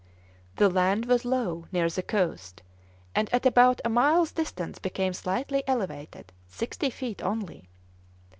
The land was low near the coast, and at about a mile's distance became slightly elevated, sixty feet only.